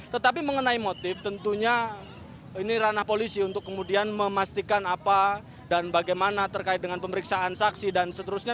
tetapi mengenai motif tentunya ini ranah polisi untuk kemudian memastikan apa dan bagaimana terkait dengan pemeriksaan saksi dan seterusnya